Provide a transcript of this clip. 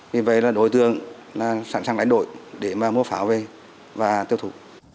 vì vậy là đối tượng sẵn sàng đánh đổi để mà mua pháo về và tiêu thụ